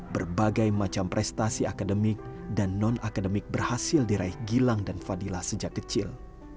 berbagai macam prestasi akademik dan non akademik berhasil diraih gilang dan fadila sejak kecil